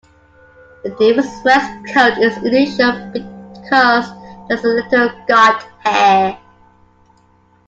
The Devon Rex's coat is unusual because there is little guard hair.